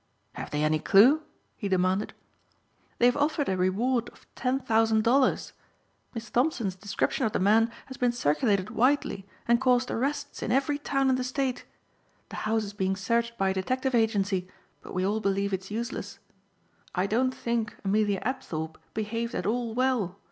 "Have they any clue?" he demanded. "They have offered a reward of ten thousand dollars. Miss Thompson's description of the man has been circulated widely and caused arrests in every town in the state. The house is being searched by a detective agency but we all believe it's useless. I don't think Amelia Apthorpe behaved at all well.